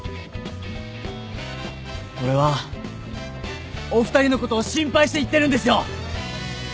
俺はお二人のことを心配して言ってるんですよ！